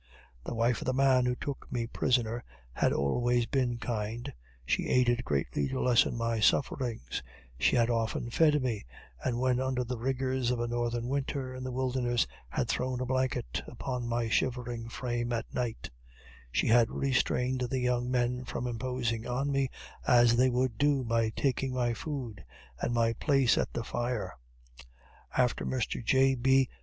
The wife of the man who took me prisoner had always been kind she aided greatly to lessen my sufferings she had often fed me, and when under the rigors of a northern winter, in the wilderness, had thrown a blanket upon my shivering frame at night; she had restrained the young men from imposing upon me, as they would do by taking my food, and my place at the fire. After Mr. J. B.